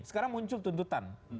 sekarang muncul tuntutan